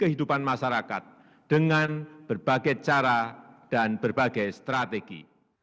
kehidupan masyarakat dengan berbagai cara dan berbagai strategi